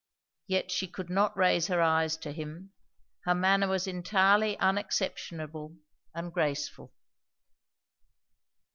Yet she could not raise her eyes to him. Her manner was entirely unexceptionable and graceful.